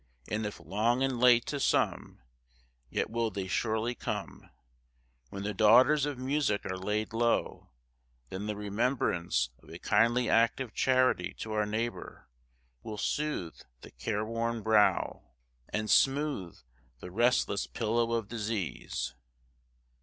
and if long and late to some, yet will they surely come, when the daughters of music are laid low, then the remembrance of a kindly act of charity to our neighbour will soothe the careworn brow, and smooth the restless pillow of disease.